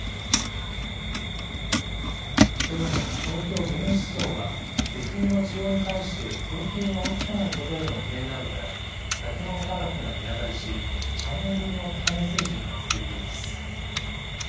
きょうの東京原油市場は石油の需要に対して供給が追いつかないことへの懸念などから先物価格が値上がりし３年ぶりの高値水準が続いています。